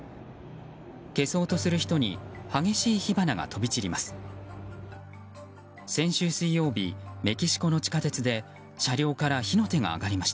消そうとする人に激しい火花が飛び散ります。